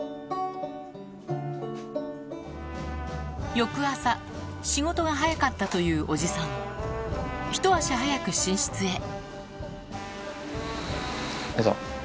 翌朝仕事が早かったというおじさんひと足早く寝室へ寝た。